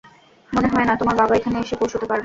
মনে হয় না তোমার বাবা এখানে এসে পৌঁছতে পারবে!